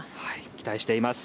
期待しています。